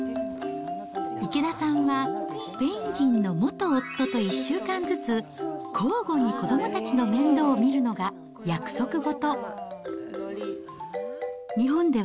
池田さんは、スペイン人の元夫と１週間ずつ、交互に子どもたちの面倒を見るのが約束事。